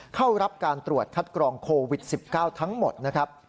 เข้ารับการตรวจคัดกรองโควิด๑๙ทั้งหมดนะครับ